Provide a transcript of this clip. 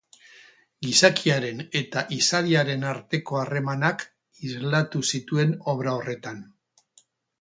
Gizakiaren eta izadiaren arteko harremanak islatu zituen obra horretan.